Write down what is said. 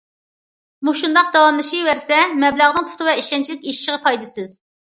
مۇشۇنداق داۋاملىشىۋەرسە، مەبلەغنىڭ پۇختا ۋە ئىشەنچلىك ئېشىشىغا پايدىسىز.